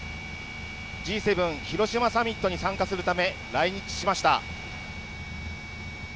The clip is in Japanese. Ｇ７広島サミットに参加するため来日しました。